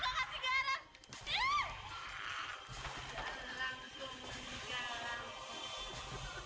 jalan kung jalan se di sini ada pesta besar besaran